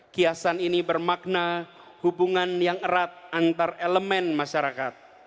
kiasan ini bermakna hubungan yang erat antar elemen masyarakat